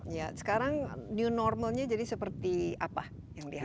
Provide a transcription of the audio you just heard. ya sekarang new normalnya jadi seperti apa yang diharapkan